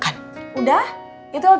malem buatare aaah